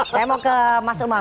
saya mau ke mas umam